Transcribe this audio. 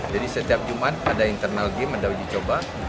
jadi setiap jumat ada internal game ada uji coba